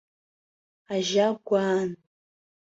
Ажьа гәаан.